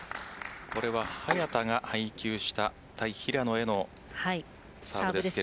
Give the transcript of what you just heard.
これは早田が配球した対平野へのサーブです。